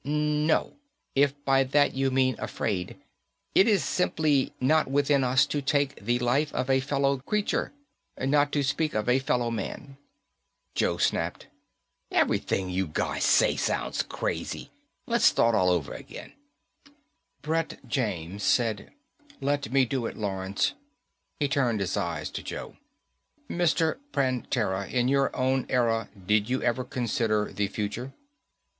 "No, if by that you mean afraid. It is simply not within us to take the life of a fellow creature not to speak of a fellow man." Joe snapped: "Everything you guys say sounds crazy. Let's start all over again." Brett James said, "Let me do it, Lawrence." He turned his eyes to Joe. "Mr. Prantera, in your own era, did you ever consider the future?"